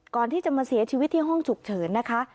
ก่อนที่จะมาเสียชีวิตที่ห้องฉุกเฉินนะคะ